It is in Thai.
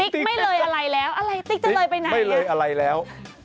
ติ๊กไม่เหลืออะไรแล้วอะไรติ๊กจะเหลือไปไหนไม่เหลืออะไรแล้ว